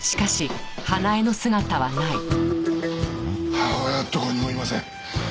母親はどこにもいません。